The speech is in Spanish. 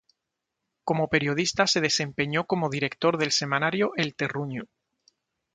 Como periodista se desempeñó como Director del Semanario El Terruño.